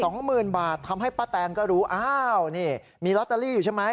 สองหมื่นบาททำให้ป้าแตนก็รู้อ้าวนี่มีลอตเตอรี่อยู่ใช่ไหม